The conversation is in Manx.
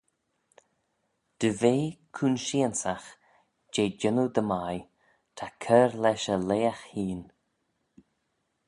Dy ve coonsheansagh jeh jannoo dy mie ta cur lesh y leagh hene.